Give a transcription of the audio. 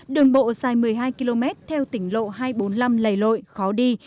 đường bộ dài một mươi hai km theo tỉnh lộ hai trăm bốn mươi năm lầy lội khó đi